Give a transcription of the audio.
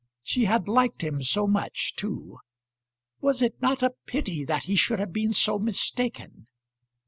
She had liked him so much too! Was it not a pity that he should have been so mistaken!